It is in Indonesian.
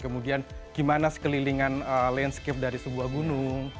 kemudian gimana sekelilingan landscape dari sebuah gunung